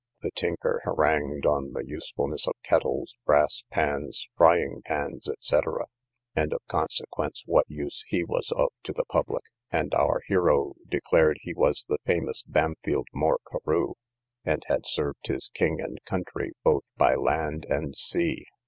The tinker harangued on the usefulness of kettles, brass pans, frying pans, &c., and of consequence, what use he was of to the public: and our hero declared he was the famous Bampfylde Moore Carew, and had served his king and country both by sea and land.